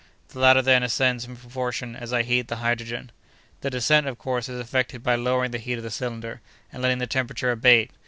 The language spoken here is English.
The latter, then, ascends in proportion as I heat the hydrogen. "The descent, of course, is effected by lowering the heat of the cylinder, and letting the temperature abate.